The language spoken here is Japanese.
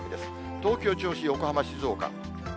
東京、銚子、横浜、静岡。